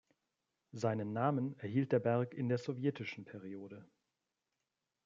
Seinen Namen erhielt der Berg in der sowjetischen Periode.